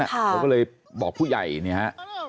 เขาเลยบอกผู้ใหญ่นะครับ